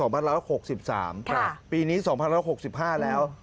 ปืนนี้๒๑๖๕แล้ว